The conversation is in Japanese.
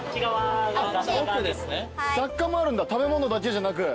雑貨もあるんだ食べ物だけじゃなく。